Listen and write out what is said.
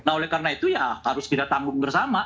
nah oleh karena itu ya harus kita tanggung bersama